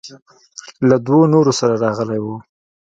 له دوو نورو سره راغلى و.